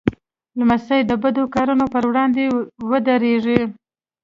لمسی د بد کارونو پر وړاندې ودریږي.